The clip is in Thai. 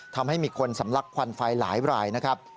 ทำให้มีคนสำลักควันไฟหลายรายนะครับ